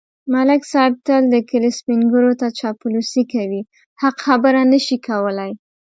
ملک صاحب تل د کلي سپېنږیروته چاپلوسي کوي. حق خبره نشي کولای.